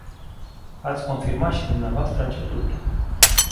Ați confirmat și dvs. acest lucru.